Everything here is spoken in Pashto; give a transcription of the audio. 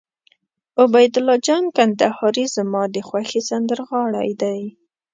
عبیدالله جان کندهاری زما د خوښې سندرغاړی دي.